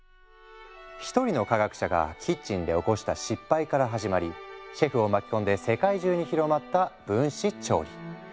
一人の科学者がキッチンで起こした失敗から始まりシェフを巻き込んで世界中に広まった分子調理。